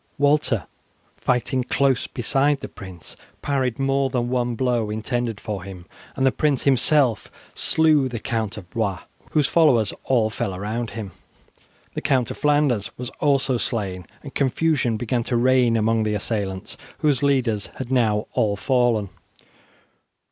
Walter, fighting close beside the prince, parried more than one blow intended for him, and the prince himself slew the Count of Blois, whose followers all fell around him. The Count of Flanders was also slain, and confusion began to reign among the assailants, whose leaders had now all fallen.